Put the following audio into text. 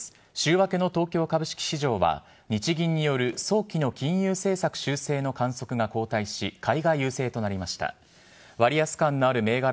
週明けの東京株式市場は、日銀による早期の金融政策修正の観測が後退し、買いが優勢となりました。